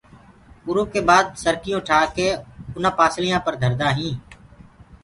اُرو ڪي بآد سرڪيون ٺآ ڪي اُنآ پآسݪيآ پر دهردآ هينٚ۔